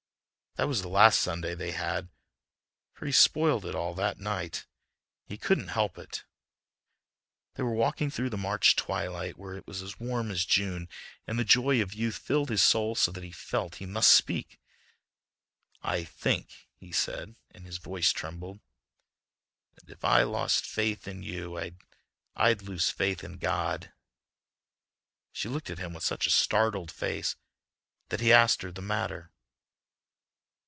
That was the last Sunday they had, for he spoiled it all that night. He couldn't help it. They were walking through the March twilight where it was as warm as June, and the joy of youth filled his soul so that he felt he must speak. "I think," he said and his voice trembled, "that if I lost faith in you I'd lose faith in God." She looked at him with such a startled face that he asked her the matter.